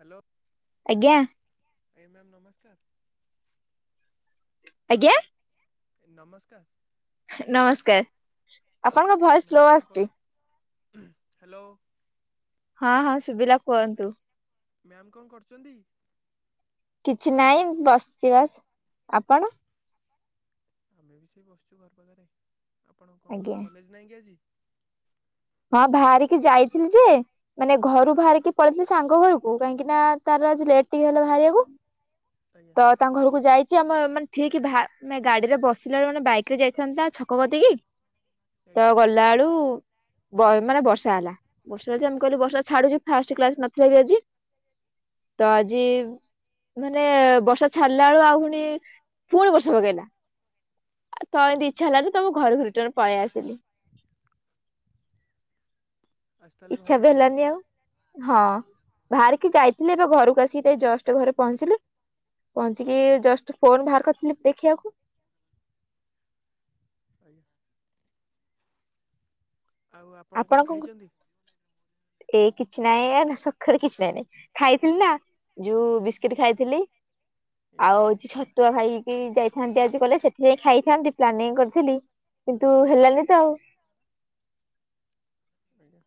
Hello. ଆଜ୍ଞା। ଆଜ୍ଞା ma'am ନମସ୍କାର। ଆଜ୍ଞା। ନମସ୍କାର। ନମସ୍କାର। ଆପଣଙ୍କ ଘର। ମ୍ୟାମ୍ କଣ କ? ହ୍ୟାଲୋ। ହଁ ହଁ ଶୁଭିଲା କୁହନ୍ତୁ। ମ୍ୟାମ୍ କଣ କରୁଚନ୍ତି? କିଛି ନାଇଁ ବସିଚି ବାସ। ଆପଣ? ଆମେ ବି ସେଇ ବସିଚୁ ଘର ପାଖରେ। ଆପଣ କଣ ଆଜ୍ଞା। କଲେଜ ନାହିଁ କି ଆଜି? ହଁ ଭାରିକି ଯାଇଥିଲି ଯେ। ମାନେ ଘରୁ ଭାରିକି ପଳେଇଥିଲି ସାଙ୍ଗ ଘରୁକୁ। କାହିଁକି ନା ତାର ଆଜି ଲେଟ୍ ଟିକେ ହେଲା ଭାରିଆକୁ। ଆଜ୍ଞା। ତାଙ୍କ ଘରକୁ ଯାଇଚି। ଆମେ ମାନେ ଠିକ୍ ଭା ଗାଡିରେ ବସିଲା ବେଳକୁ ମାନେ ବାଇକ୍ କିଏଯାଇଥାନ୍ତା ଛକ କତିକି? ଆଜ୍ଞା ତ ଗଲାଳୁ ବ ମାନେ ବର୍ଷା ହେଲା। ବର୍ଷା ହେଲାଯେ ଆମେ କହିଲୁ ବର୍ଷା ଛାଡୁଯେ ଫାଷ୍ଟେକ୍ଲାସ୍ ନଥିଲା ବି ଆଜି। ତ ଆଜି ମାନେ ବର୍ଷା ଛାଡିଲା ବେଳୁ ଆଉ ମାନେ ପୁଣି ବର୍ଷ ପକେଇଲା ତ ଆଜ୍ଞା ଏମିତି ଇଚ୍ଛା ହେଲା ଠୁ ତ ମୁଁ ଘରକୁ ରିଟର୍ନ ପଳେଇ ଆସିଲି। ଆଜି ତାହେଲେ ଇଚ୍ଛା ଘରେ ବି ରହିଲେ ହେଲାନି ଆଉ। ହଁ ବାହାରିକି ଯାଇଥିଲି ଏବେ ଘରକୁ ଆସିକି ଜଷ୍ଟ ଘରେ ପହଞ୍ଚିଲି। ପହଞ୍ଚିକି ଜଷ୍ଟ ଫୋନ ବାହାର କରିଥିଲି ପ୍ ଦେଖିଆକୁ। ଆଜ୍ଞା। ଆଉ ଆପଣ କଣ ଖାଇଚନ୍ତି? ଏ କିଛି ନାହିଁ ଆ ସଖାଳେ କିଛି ନାହିଁ। ଖାଇଥିଲି ନା। ଯୋଉ ବିସ୍କିଟ୍ ଖାଇଥିଲି। ଆଉ ହୋଉଚି ଛ ଛତୁଆ ଖାଇକି ଯାଇଥାନ୍ତି ଆଜି କଲେଜ। ସେଠି ଯାଇକି ଖାଇଥାନ୍ତି ପ୍ଲାନିଂ କରିଥିଲି। କିନ୍ତୁ ହେଲାନି ତ ଆଉ। ଆଜ୍ଞା।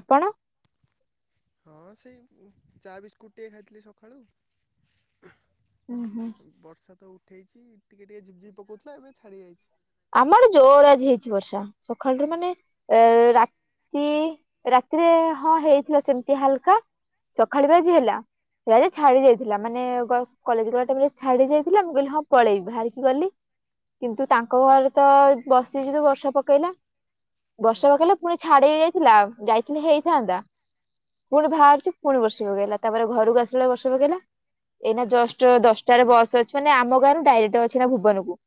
ଆପଣ। ହଁ ସେଇ ଚା ବିସ୍କୁଟ୍ ଟିକିଏ ଖାଇଥିଲି ସକାଳୁ। ଉଁ ହୁଁ। ବର୍ଷା ତ ଉଠେଇଚି। ଟିକିଏ ଟିକିଏ ଝିପ୍ ଝିପ୍ ପକଉଥିଲା ଏବେ ଛାଡ଼ି ଯାଇଚି। ଆମର ଜୋରେ ଆଜି ହେଇଚି ବର୍ଷା। ସକାଳୁଠୁ ମାନେ ଏ ରାତ୍ କି ରାତିରେ ହଁ ହେଇଥିଲା ସେମିତି ହାଲ୍କା। ସଖାଳୁ ବି ଆଜି ହେଲା। ସିଆଡେ ଛାଡି ଯାଇଥିଲା। ମାନେ କଲେଜ ରୁଆଟ ବେଳେ ଛାଡି ଯାଇଥିଲା ମୁଁ କହିଲି ହଁ ପଳେଇବି। ବାହାରିକି ଗଲି। କିନ୍ତୁ ତାଙ୍କ ଘରେ ତ ବସିଥିଲୁ ବର୍ଷା ପକେଇଲା। ଏ ବର୍ଷା ପକେଇଲା। ପୁଣି ଛାଡି ଯାଇଥିଲା। ଯାଇଥିଲେ ହେଇଥାନ୍ତା। ପୁଣି ବାହାରୁଚି ଫୁଣି ବର୍ଷି ପକେଇଲା। ତାପରେ ଘରକୁ ଆସିଲେ ବର୍ଷି ପକେଇଲା। ଏଇନା ଜଷ୍ଟ୍ ଦଶଟାରେ ବସ୍ ଅଛି। ମାନେ ଆମ ଗାଁରୁ ଡାଇରେକ୍ଟ ଅଛି ଏଇନା ଭୁବନକୁ।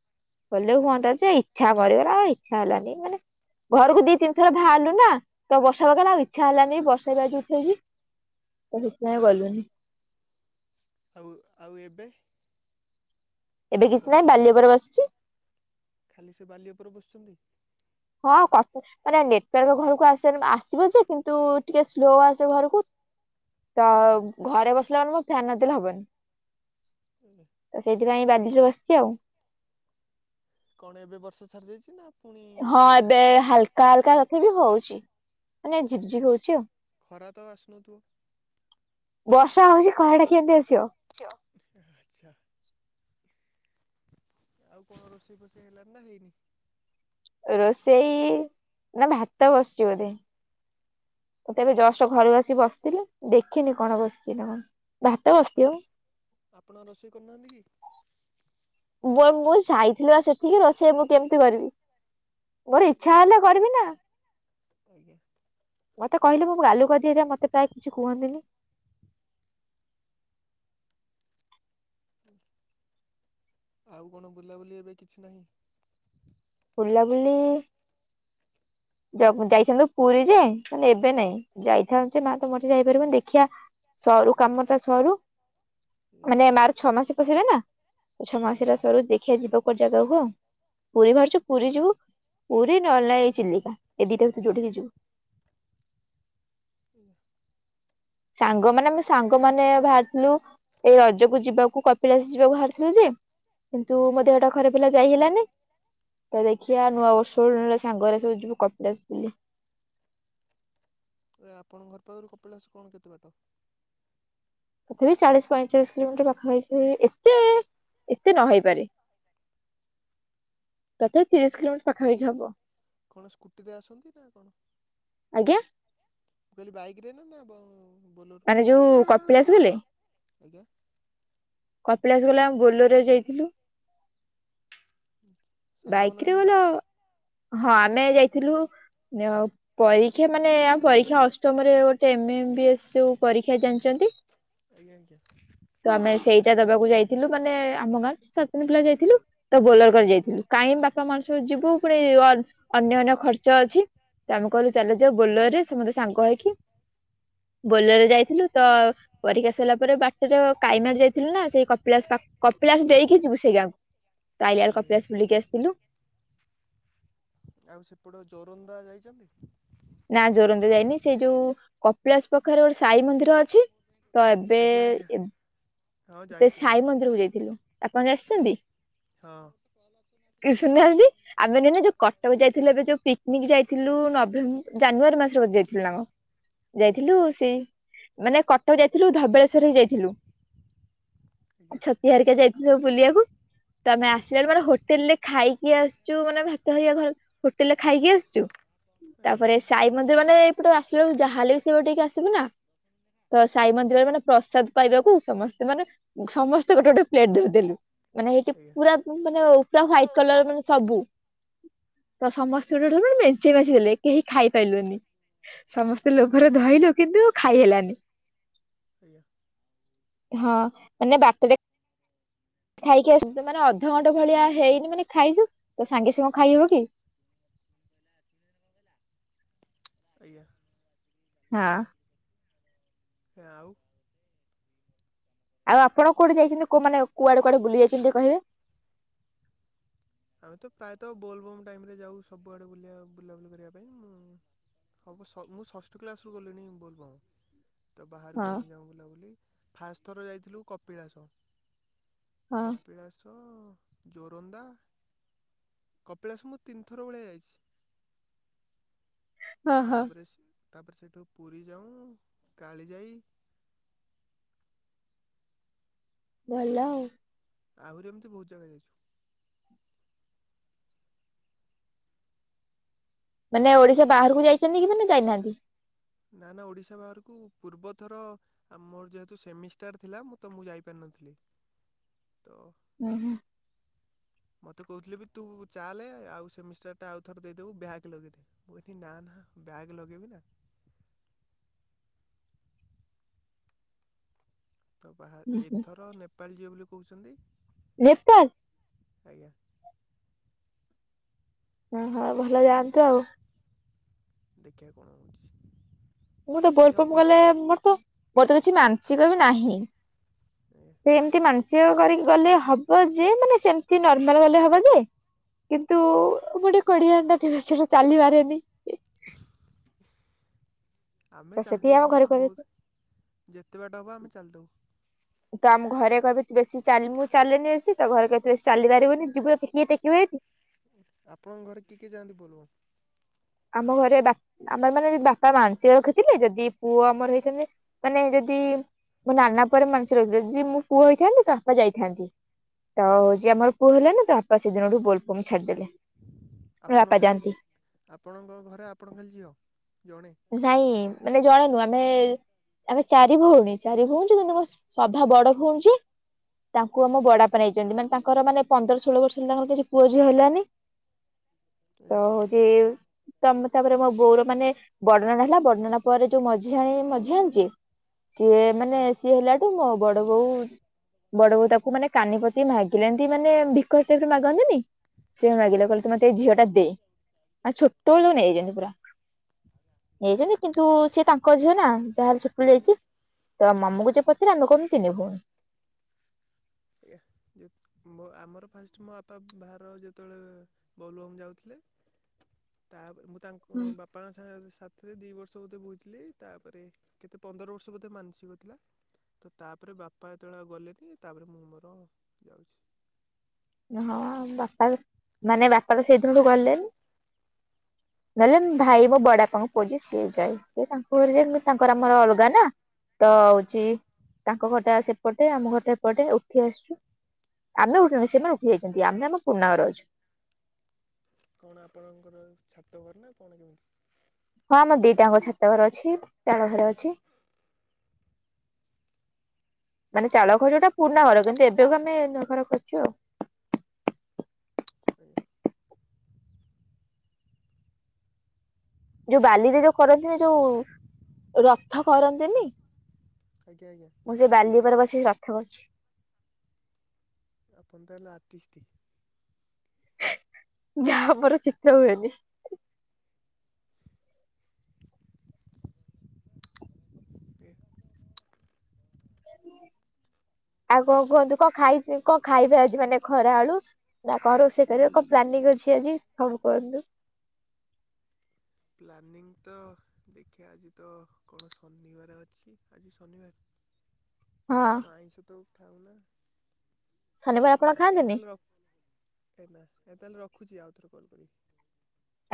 ଗଲେ ଆଜ୍ଞା ହୁଅ ସେ ଇଚ୍ଛା କରିବ ଆଉ ଇଚ୍ଛା ହେଲାନି ମାନେ ଘରକୁ ଦି ତିନି ଥର ବାହାରିଲୁ ନା ତ ବର୍ଷା ପକେଇଲା ଆଉ ଇଚ୍ଛା ହେଲାନି। ବର୍ଷାଟା ଆଜି ଉଠେଇଚି। ତ ସେଥିପାଇଁ ଗଲୁନି। ଆଉ ଆଉ ଏବେ? ଏବେ କଣ କିଛି ନାହିଁ ବର୍ଷା ବାଲି ହୋଉଚି ନା ଉପରେ କଣ? ବସିଛି ଖାଲି ସେ ବାଲି ଓପରେ ବସୁଚନ୍ତି? ହଁ କସେ ମାନେ ନେଟଓ୍ବାର୍କ ଘରକୁ ଆସେ ନ ଆସିବ ଯେ କିନ୍ତୁ ଟିକିଏ ସ୍ଲୋ ଆସେ ଘରୁକୁ। ତ ଘରେ ବସିଲା ମାନେ ମୁଁ ଫ୍ୟାନ୍ ନଦେଲେ ହବନି। ଏହେ। ତ ସେଇଥିପାଇଁ ବାଲିରେ ବସିଚି ଆଉ। କଣ ଏବେ ବର୍ଷା ଛାଡି ଯାଇଚି ନା? ପୁଣି ହଁ ଉଠେଇଛି? ଏବେ ହାଲ୍କା ହାଲ୍କା ତଥାବି ହୋଉଚି। ମାନେ ଝିପ୍ ଝିପ୍ ହୋଉଚି ଆଉ। ଖରା ତ ଆସୁନଥୁବ? ବର୍ଷା ହୋଉଚି ଖରାଟା କେମିତି ଆସିବ। ଚିଅ ଆଛା। ଆଉ କଣ ରୋଷେଇ ଫୋଷେଇ ହେଲାଣିି ନା ହେଇନି? ରୋଷେଇ ନା ଭାତ ବସିଛି ବୋଧେ। ମୁଁ ତ ଏବେ ଜଷ୍ଟ୍ ଘରୁ ଆସି ବସିଥିଲି। ଦେଖିନି କଣ ବସିଚି ନା କଣ। ଭାତ ବସିଥିବ। ଆପଣ ରୋଷେଇ କରୁନାହାନ୍ତି କି? ବୋ ଏ ମୁଁ ଯାଇଥିଲି ବା ସେଠକି, ରୋଷେଇ ମୁଁ କେମିତି କରିବି। ମୋର ଇଚ୍ଛା ହେଲେ କରିବି ନା। ଆଜ୍ଞା। ମତେ କହିଲେ ମୁଁ ଗାଲୁ କରିଦିଏ ପା ମତେ ପ୍ରାୟ କିଛି କୁହନ୍ତିନି। ଆଉ କଣ ବୁଲାବୁଲି ଏବେ କିଛି ନାହିଁ? ବୁଲାବୁଲି ଯବ ଯାଇଥାନ୍ତି ପୁରୀ ଯେ କିନ୍ତୁ ମାନେ ଏବେ ନାଇଁ। ଯାଇଥାନ୍ତି ଯେ ମା ତ ମରିଛି ଯାଇପାରିବୁନୁ ଦେଖିବା ସରୁ କାମ ଟା ସରୁ। ଆଜ୍ଞା ମାନେ ମାର ଛଅ ମାସ ପଶିବ ନା ଏଇ ଛଅ ଆଜ୍ଞା ମାସିଟା ଆଜ୍ଞା ସରୁ ଦେଖିିବା ଯିବା। ପୁଜା ପର୍ବ ପୁରୀ ବାହାରିଚୁ। ପୁରୀ ଯିବୁ। ପୁରୀ ନହଲେ ନାଇଁ ଏଇ ଚିଲିକା। ଏ ଦିଟା ଭିତୁରୁ ଯୋଉଠିକି ଯିବୁ। ନା। ସାଙ୍ଗମାନେ ମୋ ସାଙ୍ଗମାନେ ବାହାର୍ ରି ଥିଲୁ ଏଇ ରଜକୁ ଯିବାକୁ କପିଳାସ ଯିବାକୁ ବାହାରରିଥିଲୁ ଯେ କିନ୍ତୁ ଆଜ୍ଞା ମୋ ଦେହଟା ଖରାପ୍। ଥିଲା ଯାଇହେଲାନି‌ ତ ଦେଖିବା ନୂଆ ବର୍ଷ ବେଳକୁ ନହେଲେ ସାଙ୍ଗ ଗୁରା ସବୁ ଯିବୁ କପିଳାସ ବୁଲି। ଏ ଆପଣଙ୍କର ଘର ପାଖରୁ କପିଳାସ କଣ କେତେ ବାଟ। ତଥାପି ଚାଳିଶ ପଇଁଚାଳିଶ କିଲୋମିଟର ପାଖା ପାଖି ହେଇଛି ଏତେ ଏତେ ନ ହେଇପାରେ। [unintelligible] ତଥାପି ତିରିଶ କିଲୋମଟର ପାଖାପାଖି ହବ। କଣ ସ୍କୁଟି ରେ ଆସନ୍ତି ନା କଣ। ଆଜ୍ଞା। ମୁଁ କହିଲି ବାଇକରେ ନ ନା ବୋଲେର ମାନେ ଫୋଲୋର ଯୋଉ କରିକି କପିଳାସ ଗଲେ ଆସନ୍ତି ଆଜ୍ଞା। କପିଳାସ ଗଲେ ଆମେ ବୋଲର ରେ ଯାଇଥିଲୁ। ହୁଁ। ବାଇକି ରେ ଗଲେ ଅ ହଁ ଆମେ ଯାଇଥିଲୁ ପରୀକ୍ଷା ମାନେ ଆ ପରୀକ୍ଷା ଅଷ୍ଟମରେ ଗୋଟେ ଏମ ଏମ ବି ଏସ୍ ଯୋଉ ପରୀକ୍ଷା ଜାଣିଛନ୍ତି? ଆଜ୍ଞା ଆଜ୍ଞା। ତ ଆମେ ସେଇଟା ଦବାକୁ ଯାଇଥିଲୁ ମାନେ ଆମ ଗାଁ ସାତ ଜଣ ପିଲା ଯାଇଥିଲୁ ତ ବୋଲର କରି ଯାଇଥିଲୁ। କାହିଁ ବାପା ମା ଙ୍କ ସହିତ ଯିବୁ ପୁଣି ୟନ ଅନ୍ୟାନ୍ୟ ଖର୍ଚ୍ଚ ଅଛି। ତ ଆମେ କହିଲୁ ଚାଲି ଯିବା ବୋଲେର ରେ ସମସ୍ତେ ସାଙ୍ଗ ହେଇକି। ବୋଲେର ରେ ଯାଇଥିଲୁ ତ। ପରୀକ୍ଷା ସରିଲା ପରେ ବାଟରେ କାଇମାର ଯାଇଥିଲୁ ନା ସେଇ କପିଳାସ ପାଖ୍ କପିଳାସ ଦେଇକି ଯିବୁ ସେଇ ଗାଁକୁ। ତ ଅଇଲାବେଳ ଆଜ୍ଞା କପିଳାସ ବୁଲିକି ଆସି ଆଜ୍ଞା। ଆଉ ସେପଟେ ଜୋରନ୍ଦା ଯାଇଛନ୍ତି? ନା ଜୋରନ୍ଧା ଯାଇନି ସେଇ ଯୋଉ କପିଳାସ ପାଖରେ ଗୋଟେ ସାଇ ମନ୍ଦିର ଅଛି। ତ ଏବେ। ଆଜ୍ଞା ଆଜ୍ଞା। ହଁ ସେ ଯାଇଛୁ ଆମେ ସାଇ ମନ୍ଦିର କୁ ଯାଇଥିଲୁ ଆପଣ ଆସିଛନ୍ତି? ହଁ। କି ଶୁଣୁନାହାନ୍ତି। ଆମେ ନହେଲେ ନାଇଁ ଯୋଉ କଟକ ଯାଇଥିଲୁ ଏବେ ଯୋଉ ପିକ୍ନିକ୍ ଯାଇଥିଲୁ ନଭେମ୍ ଜାନୁଆରୀ ମାସରେ ବୋଧେ ଯାଇଥିଲୁ ନା କଣ। ହଁ [inaudible] ଯାଇଥିଲୁ ସେଇ ମାନେ କଟକ ଯାଇଥିଲୁ ଧବଳେଶ୍ଵର ବି ଯାଇଥିଲୁ। ଆଉ ଆଜ୍ଞା ଛତିଆ ହରିକା ଯାଇଥିଲୁ ସବୁ ବୁଲିବାକୁ। ତ ଆମେ ଆସିଲା ବେଳକୁ ମାନେ ହୋଟେଲ ରେ ଖାଇକି ଆସିଛୁ ମାନେ ଭାତ ଘରିକା ଧର। ହୋଟେଲରେ ଖାଇକି ଆସିୁଛୁ ଆଜ୍ଞା ଆଜ୍ଞା ତାପରେ। ସାଇ ମନ୍ଦିର ମାନେ ଏପଟ ଆସିଲେ ଯାହାେଲେ ବି ସେଟ ଟିକେ ଆସିବୁ ନା ତ ସାଇ ମନ୍ଦିରରେ ମାନେ ପ୍ରସାଦ ପାଇବାକୁ ସମସ୍ତେ ମାନେ ସମସ୍ତେ ଗୋଟେ ଗୋଟେ ପ୍ଲେଟ ଧରିଦେଲୁ ମାନେ ସେଇଠି ଆଜ୍ଞା ପୁରା ମାନେ ପୁରା ୱାଇଟି କଲର ମାନେ ସବୁ ତ ସମସ୍ତେ ଗୋଟେ ମେଞ୍ଚେ ମେଞ୍ଚେଇ ଦେଲେ କେହି ଖାଇପାରଲୁନି ସମସ୍ତେ ଲୋଭରେ ଧଇଲୁ କିନ୍ତୁ ଖାଇ ହେଲାନି ଆଜ୍ଞା। ହଁ ମାନେ ବାଟରେ ଖାଇକି ଆସ ମାନେ ଅଧଘଣ୍ଟା ଭଳିଆ ହେଇନି ମାନେ ଖାଇଛୁ ତ ସାଙ୍ଗେ ସାଙ୍ଗେ ଖାଇହବ କି? ଆଜ୍ଞା। ହଁ। ସେ ଆଉ ଆଉ ଆପଣ କୁଆଡେ ଯାଇଛନ୍ତି କୋ ମାନେ କୁଆଡେ କୁଆଡେ ବୁଲି ଯାଇଛନ୍ତି କହିବେ? ଆମେ ତ ପ୍ରାୟତଃ ବୋଲବୋମ୍ ଟାଇମରେ ଯାଉ ସବୁଆଡେ ବୁଲ ବୁଲାବୁଲି କରିବା ପାଇଁ ମୁଁ ହବ ମୁଁ ଷଷ୍ଠ କ୍ଲାସ ରୁ ଗଲିଣି ବୋଲବମ ତ ବାହାରକୁ ହଁ। ଆମେ ଯାଉ ବୁଲାବୁଲି ଫାଷ୍ଟ ଥର ଯାଇଥିଲୁ କପିଳାସ। ହଁ କପିଳାସ ଜୋରନ୍ଦା କପିଳାସ ମୁ ତିନିଥର ଭଳିଆ ଯାଇଛି ହଁ ହଁ ତାପରେ ତା ପରେ ସେଇଠୁ ପୁରୀ ଯାଉଁ କାଳିଜାଇ ଭଲ ଆଉ ଆହୁରି ଏମିତି ବହୁତ ଜାଗା ଯାଇଛୁ। ମାନେ ଓଡିଶା ବାହାରକୁ ଯାଇଛନ୍ତି କି ମାନେ ଯାଇନାହାନ୍ତି? ନ ନା ଓଡ଼ିଶା ବାହାରକୁ ପୂର୍ବଥର ଆମର ଯେହେତୁ ସେମିଷ୍ଟାର ଥିଲା ମୁଁ ତ ମୁଁ ଯାଇପାରିନଥିଲି ତ ଓୁଁ ହୁଁ। [inaudible] ମୋତେ କହୁଥିଲେ ବି ତୁ ଚାଲେ ଆଉ ସେମିଷ୍ଟାରଟା ଆଉଥର ଦେଇଦେବୁ ବ୍ୟାଗ ଲଗେଇଦେ ମୁଁ କହିଲି ନା ନା ବ୍ୟାଗ୍ ଲଗେଇବି ନା ତ ବା ଏଥର ନେପାଳ ଯିବେ ବୋଲି କହୁଛନ୍ତି ନେପାଳ? ଆଜ୍ଞା‌। ଓହୋ ଭଲ ଯାଆନ୍ତୁ ଆଉ ଦେଖିବା କଣ ହେଉଛି। ମୁଁ ତ ସେଇ ବୋଲବମ୍ ଅଗଷ୍ଟ ଗଲେ ମୋର ତ ମୋର ତ କିଛି ମାନସିକ ବି ନାହିଁ [inaudible] ଏମତି ମାନସିକ କରିକି ଗଲେ ହବ ଯେ ମାନେ ସେମତି ନର୍ମାଲ ଗଲେ ହବ ଯେ କିନ୍ତୁ ମୁ ଗୋଟେ କୋଢିଆଣି ସେଟା ଚାଲିିପାରିବିନି ଆମେ ତ ଚାଲି ସେଥିପାଇଁ ଆମ ଦବୁ ମୁଁ ଘରେ କହିବେ ବହୁତ ଯେତେ ବାଟ ହେବ ଆମେ ଚାଲିଦବୁ। ତ ଆମ ଘରେ କହିବେ ତୁ ବେଶୀ ଚାଲି ମୁଁ ଚାଲେନି ତ ଘରେ କହିବେ ତୁ ବେଶୀ ଚାଲି ପାରିବୁନି ଯିବୁ ଟେକିବ ସେଇଠି ଆପଣଙ୍କ ଘରେ କିଏ କିଏ ଯାଆନ୍ତି ବୋଲବମ? ଆମ ଘରେ ବା ଆମର ମାନେ ବାପା ମାନସିକ ରଖିଥିଲେ ଯଦି ପୁଅ ଆମର ହେଇଥାନ୍ତେ ମାନେ ଯଦି ମୋ ନାନା ପରେ ମାନସିକ ରଖିଥିଲେ ମୁ ପୁଅ ହେଇଥାନ୍ତି ବାପା ଯାଇଥାନ୍ତେ ତ ଆଜ୍ଞା ଯ ଆମର ପୁଅ ହେଲାନି‌ ତା ବାପା ସେଦିନଠୁ ବୋଲବମ ଛାଡିଦେଲେ ଆପଣ ବାପା ଖାଲି ଯାଆନ୍ତି ଆପଣଙ୍କ ଘରେ ଆପଣ ଖାଲି ଝିଅ ଜଣେ? ନାଇଁ ମାନେ ଜଣେ ନୁହଁ ଆମେ ଆମେ ଚାରି ଭଉଣୀ ଚାରି ଭଉଣୀ କିନ୍ତୁ ଆମ ସଭା ବଡ ଭଉଣି ଯିଏ ତାଙ୍କୁ ଆମ ବଡବାପା ନେଇଛନ୍ତି ମାନେ ତାଙ୍କର ମାନେ ପନ୍ଦର ଷୋହଳ ବର୍ଷ ହେ ତାଙ୍କର କିଛି ପୁଅଝିଅ ହେଲାନି [inaudible] ଆଜ୍ଞା ତ ହଉଛି ତମେ ତାପରେ ମୋ ବୋଉର ମାନେ ବଡ ନାନା ହେଲା ବଡ ନାନା‌ପରେ ଯୋଉ ମଝିଆଣି ମଝି ଆଣି ଯେ ସିଏ ଆଜ୍ଞା ମାନେ ସିଏ ହେଲାଠୁ ମୋ ବଡ ବୋଉ ବଡ ବୋଉ ତାକୁ ମାନେ କାନି ପତେଇ ମାଗିଲେ ଏମିତି ମାନେ ଭିକ କ ମାଗନ୍ତୁନି ସିଏ ମାଗିଲେ କହଲେ ତୁ ମତେ ଏଇ ଝିଅଟା ଦେ। ଆଉ ଛୋଟବେଳୁ ନେଇଯାଇଛନ୍ତି ପୁରା। ନେଇଛନ୍ତି କିନ୍ତୁ ସିଏ ତାଙ୍କ ଝିଅ ନା ଯାହେଲେ ଛୋଟବେଳୁ ଯାଇଛି। ତ ଆମକୁ ଯିଏ ପଚାରେ ଆମେ କହୁ ତିନିଭଉଣି। ଆଜ୍ଞା। ଆମର ଫାଷ୍ଟ ମୋ ଆପା ବାହାର ଯେତେବେଳେ ବୋଲବମ୍ ଯାଉଥିଲେ। ତାପରେ ମୁଁ ତାଙ୍କ ହୁଁ ବାପାଙ୍କ ସାଥିରେ ଦି ବର୍ଷ ବୋଧେ ବୋହୁଥିଲି ତାପରେ କେତେ ପନ୍ଦର ବର୍ଷ ବୋଧେ ମାନସିକ ଥିଲା ତ ତାପରେ ବାପା ଯେତେବେଳେ ଗଲେନି ତାପରେ ମୁଁ ମୋର ଯାଉଛି। ହଁ ବାପା ମାନେ ବାପା ତ ସେଇଦିନଠୁ ଗଲେନି। [inaudible] ନହେଲେ ଭାଇ ମୋ ବଡବପା ପୁଅ ଯିଏ ସିଏ ଯାଏ ସେ ତାଙ୍କ ଘରେ ଯେ ତାଙ୍କର ଆମର ଅଲଗା ନା ତ ହଉଛି ଆଜ୍ଞା ତାଙ୍କ ଘରଟା ସେପଟେ ଆମ ଘରଟା ଏପଟେ ଉଠି ଆସିଛୁ ଆମେ ଉଠୁନ ସେମାନେ ଉଠି ଯାଇଛନ୍ତି ଆମେ ଆମ ପୁରୁଣା ଘରେ ଅଛୁ। କଣ ଆପଣଙ୍କର ଛାତ ଘର ନା କଣ କେମିତି? ହଁ ଆମ ଦିଟାଙ୍କ ଛାତ ଘରେ ଅଛି ଚାଳ ଘର ଅଛି। ମାନେ ଚାଳ ଘର ଯୋଉଟା ପୁରୁଣା ଘର କିନ୍ତୁ ଏବେକୁ ଆମେ ନୂଆ ଘର କରିଚୁ ଆଉ। ସେ ଯୋଉ ବାଲିରେ ଯୋଉ କରନ୍ତିନି ଯୋଉ ରଥ କରନ୍ତିନି। ଆଜ୍ଞା ଆଜ୍ଞା। ମୁଁ ସେଇ ବାଲି ଉପରେ ବସିକି ରଥ କରୁଛି। ଆପଣ ତାହେଲେ ଆଟିଷ୍ଟି। ଯାହା ମୋର ଚିତ୍ର ହୁଏନି। [inaudible] ଆଉ କଣ କୁହନ୍ତୁ କଣ ଖାଇ କଣ ଖାଇବେ ଆଜି ମାନେ ଖରା ଆଳୁ? ନା କଣ ରୋଷେଇ କରିବ କଣ ପ୍ଲାନିଂ ଅଛି ଆଜି ସବୁ କୁହନ୍ତୁ। ପ୍ଲାନିଂ ତ ଦେଖିବା ଆଜି ତ କଣ ଶନିବାର ଅଛି ଆଜି ଶନିବାର। [inaudible] ହଁ। ତ ଆଇସ ତ ଖାଉନା। ଶନିବାର ଆପଣ ଖାଆନ୍ତି ଏ ତାହେଲେ ରଖ ଏ ନା ଏ ତା ହେଲେ ରଖୁଛି ଆଉଥରେ କଲ୍ କରିବି।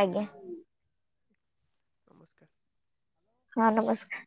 ଆଜ୍ଞା। ନମସ୍କାର। ହଁ ନମସ୍କାର।